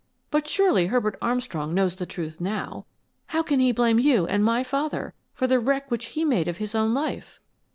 But surely Herbert Armstrong knows the truth now. How can he blame you and my father for the wreck which he made of his own life?"